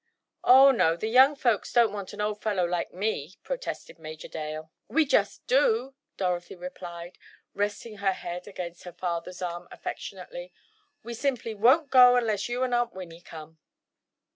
"Oh, no, the young folks don't want an old fellow like me," protested Major Dale. "We just do!" Dorothy replied, resting her head against her father's arm affectionately. "We simply won't go unless you and Aunt Winnie come."